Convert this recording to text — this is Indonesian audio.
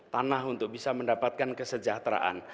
tanah untuk bisa mendapatkan kesejahteraan